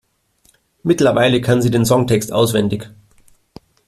Mittlerweile kann sie den Songtext auswendig.